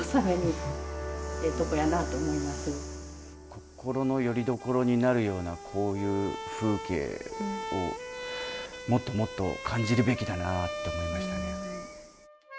心のよりどころになるようなこういう風景をもっともっと感じるべきだなって思いましたね。